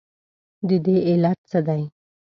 ددې علت څه دی؟